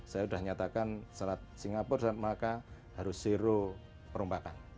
saya sudah nyatakan selat singapura selat melaka harus zero perombakan